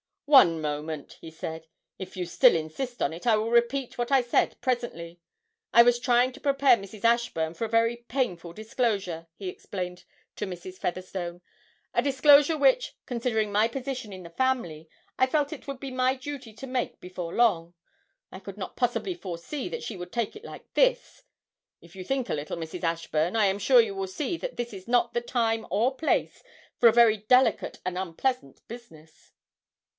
'One moment,' he said. 'If you still insist on it, I will repeat what I said presently. I was trying to prepare Mrs. Ashburn for a very painful disclosure,' he explained to Mrs. Featherstone 'a disclosure which, considering my position in the family, I felt it would be my duty to make before long. I could not possibly foresee that she would take it like this. If you think a little, Mrs. Ashburn, I am sure you will see that this is not the time or place for a very delicate and unpleasant business.'